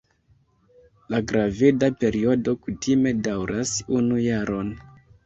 La graveda periodo kutime daŭras unu jaron.